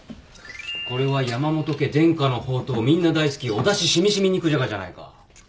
これは山本家伝家の宝刀みんな大好きおだし染み染み肉じゃがじゃないか。